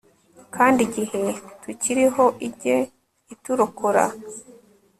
kandi igihe tukiriho ijye iturokora